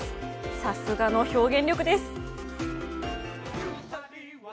さすがの表現力です！